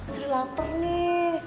seri lapar nih